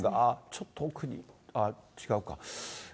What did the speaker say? ちょっと奥に、違うか。